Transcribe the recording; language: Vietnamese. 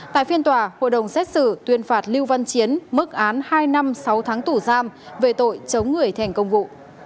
tại phiên tòa hội đồng xét xử tuyên phạt lưu văn chiến mức án hai năm sáu tháng tù giam về tội chống người thành công vụ